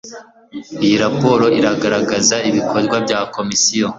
iyi raporo iragaragaza ibikorwa bya komisiyo